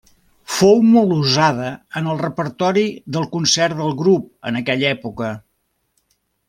Fou molt usada en el repertori del concert del grup en aquella època.